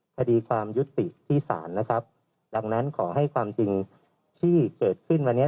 คดีความยุติที่ศาลนะครับดังนั้นขอให้ความจริงที่เกิดขึ้นวันนี้